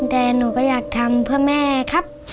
แต่หนูก็อยากทำเพื่อแม่ครับ